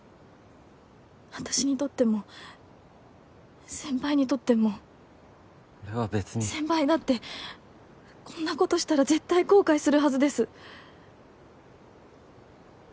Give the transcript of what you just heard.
私にとっても先輩にとっても俺は別に先輩だってこんなことしたら絶対後悔するはずです